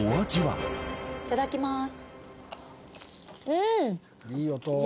いただきまーす。